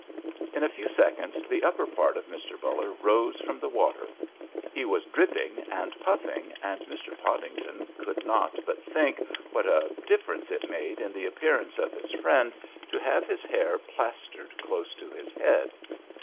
In a few seconds the upper part of Mr. Buller rose from the water. He was dripping and puffing, and Mr. Podington could not but think what a difference it made in the appearance of his friend to have his hair plastered close to his head.